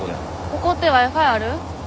ここってＷｉ−Ｆｉある？